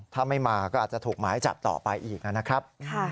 ถ้าไม่มาก็อาจจะถูกหมายจับต่อไปอีกนะครับ